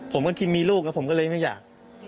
ผมก็คิดมีลูกผมก็เลยไม่อยาก